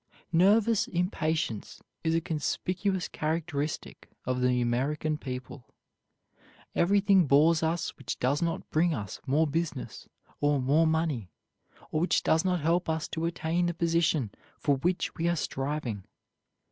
Nervous impatience is a conspicuous characteristic of the American people. Everything bores us which does not bring us more business, or more money, or which does not help us to attain the position for which we are striving.